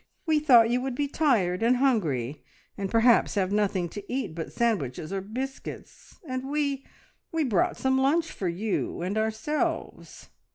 We thought you would be tired and hungry, and perhaps have nothing to eat but sandwiches or biscuits, and we we brought some lunch for you and ourselves!"